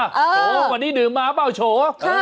ชอบว่าวันนี้ดื่มมาหรือเปล่าชอบ